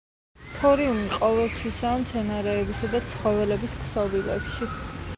თორიუმი ყოველთვისაა მცენარეებისა და ცხოველების ქსოვილებში.